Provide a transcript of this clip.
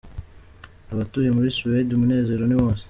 Abatuye muri Suede umunezero ni wose.